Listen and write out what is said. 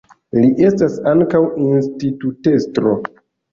Li estas ankaŭ institutestro.